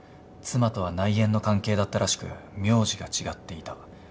妻とは内縁の関係だったらしく名字が違っていた。